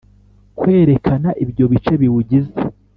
Kwerekana ibyo bice biwugize